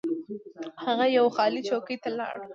هغه یوې خالي چوکۍ ته لاړ.